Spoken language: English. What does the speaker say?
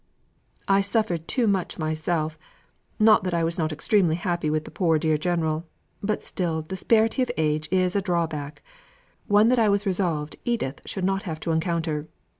"I suffered too much myself; not that I was not extremely happy with the poor dear General, but still disparity of age is a drawback; one that I was resolved Edith should not have to encounter.